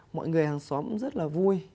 mọi người hàng xóm cũng rất là vui